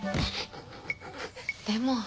でも。